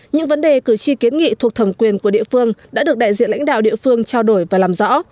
những vấn đề cử tri kiến nghị thuộc thẩm quyền của địa phương đã được đại diện lãnh đạo địa phương trao đổi và làm rõ